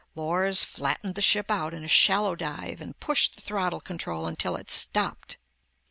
Lors flattened the ship out in a shallow dive and pushed the throttle control until it stopped.